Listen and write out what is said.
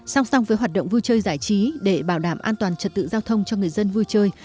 song song với hoạt động vui chơi giải trí để bảo đảm an toàn trật tự giao thông cho người dân vui chơi